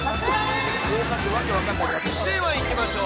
ではいきましょう。